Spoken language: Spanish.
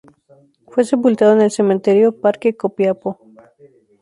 Fue sepultado en el Cementerio Parque Copiapó.